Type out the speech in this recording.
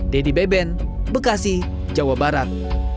dedy beben bekasi jawa barat